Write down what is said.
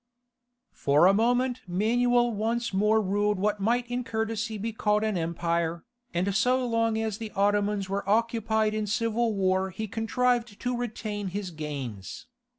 For a moment Manuel once more ruled what might in courtesy be called an empire, and so long as the Ottomans were occupied in civil war he contrived to retain his gains.